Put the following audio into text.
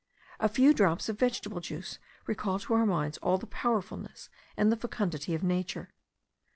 A few drops of vegetable juice recall to our minds all the powerfulness and the fecundity of nature.